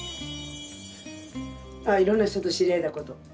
あっいろんな人と知り合えたこと。